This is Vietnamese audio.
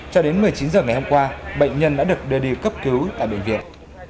cho đến một mươi chín h ngày hôm qua bệnh nhân đã được đưa đi cấp cứu tại bệnh viện